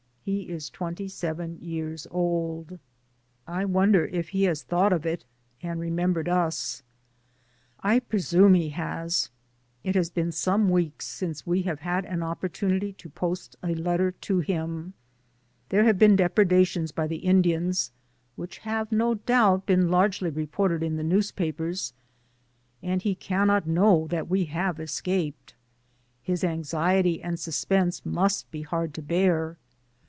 He is twenty seven years old. I wonder if he has thought of it, and remembered us. I pre sume he has. It has been some weeks since we have had an opportunity to post a letter 2S6 DAYS ON THE ROAD. to him. There have been depredations by the Indians, which have no doubt been largely reported in the newspapers, and he cannot know that we have escaped. His anxiety and suspense must be hard to bear.